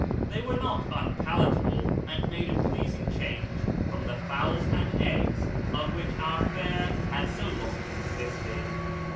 They were not unpalatable, and made a pleasing change from the fowls and eggs of which our fare had so long consisted.